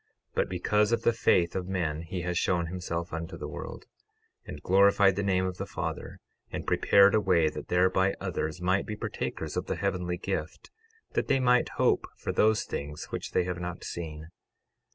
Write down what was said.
12:8 But because of the faith of men he has shown himself unto the world, and glorified the name of the Father, and prepared a way that thereby others might be partakers of the heavenly gift, that they might hope for those things which they have not seen.